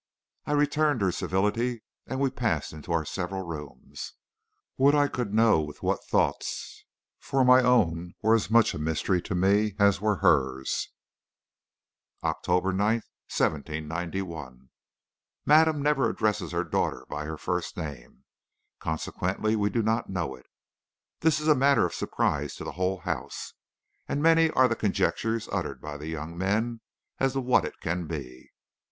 I returned her civility, and we passed into our several rooms. Would I could know with what thoughts, for my own were as much a mystery to me as were hers. OCTOBER 9, 1791. Madame never addresses her daughter by her first name. Consequently we do not know it. This is a matter of surprise to the whole house, and many are the conjectures uttered by the young men as to what it can be.